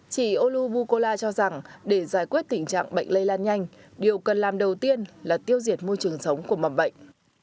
chị oubukola cho rằng để giải quyết tình trạng bệnh lây lan nhanh điều cần làm đầu tiên là tiêu diệt môi trường sống của mầm bệnh